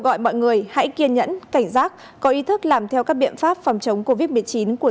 gọi mọi người hãy kiên nhẫn cảnh giác có ý thức làm theo các biện pháp phòng chống covid một mươi chín của